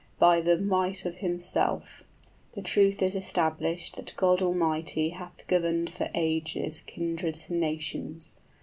} 40 By the might of himself; the truth is established That God Almighty hath governed for ages Kindreds and nations.